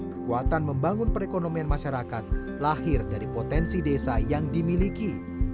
kekuatan membangun perekonomian masyarakat lahir dari potensi desa yang dimiliki